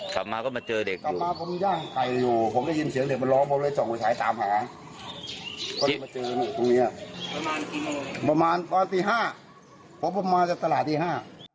กลับมาก็มาเจอเด็กอยู่